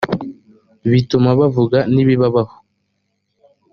bituma bavuga n ibibabaho